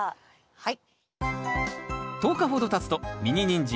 はい。